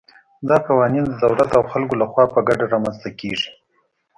دا قوانین د دولت او خلکو له خوا په ګډه رامنځته کېږي.